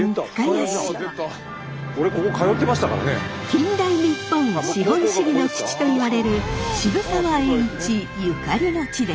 近代日本資本主義の父といわれる渋沢栄一ゆかりの地です。